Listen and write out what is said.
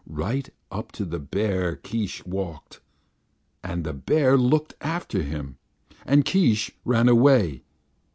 "Right up to the bear Keesh walked. And the bear took after him, and Keesh ran away.